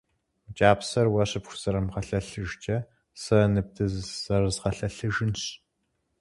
Мы кӏапсэр уэ щыпхузэрымыгъэлъэлъыжкӏэ сэ ныбдызэрызгъэлъэлъыжынщ.